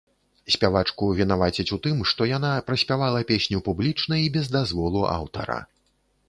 Спявачку вінавацяць у тым, што яна праспявала песню публічна і без дазволу аўтара.